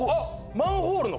マンホールの。